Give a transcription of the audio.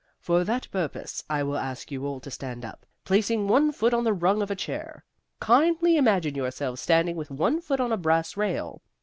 For that purpose I will ask you all to stand up, placing one foot on the rung of a chair. Kindly imagine yourselves standing with one foot on a brass rail.